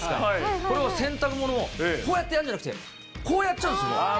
これを洗濯物を、こうやってやるんじゃなくて、こうやっちゃうんです。